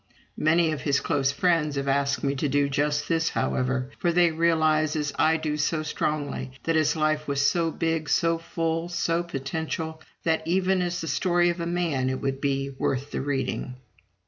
Many of his close friends have asked me to do just this, however; for they realize, as I do so strongly, that his life was so big, so full, so potential, that, even as the story of a man, it would be worth the reading.